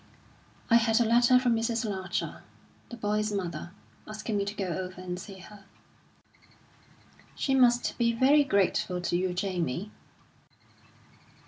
"I had a letter from Mrs. Larcher, the boy's mother, asking me to go over and see her." "She must be very grateful to you, Jamie."